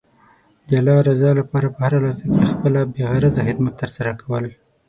د الله رضا لپاره په هره لحظه کې خپله بې غرضه خدمت ترسره کول.